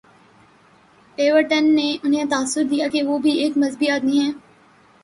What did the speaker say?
Putin نے انہیں تاثر دیا کہ وہ بھی ایک مذہبی آدمی ہیں۔